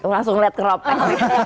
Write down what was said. langsung liat ke ropek